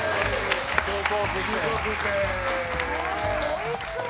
おいしそう！